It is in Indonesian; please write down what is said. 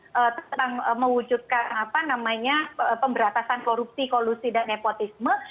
tentang mewujudkan pemberatasan korupsi kolusi dan nepotisme